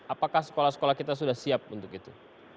apakah sekolah sekolah kita sudah siap untuk itu